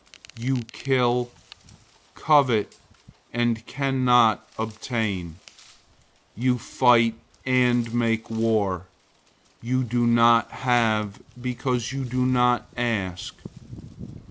You kill, covet, and can't obtain. You fight and make war. You don't have, because you don't ask.